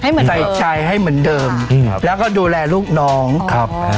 เหมือนใส่ชายให้เหมือนเดิมแล้วก็ดูแลลูกน้องครับอ่า